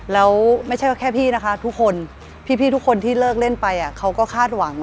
แล้วไม่ใช่ว่าแค่พี่นะคะทุกคนพี่ทุกคนที่เลิกเล่นไปเขาก็คาดหวัง